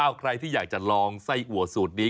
เอาใครที่อยากจะลองไส้อัวสูตรนี้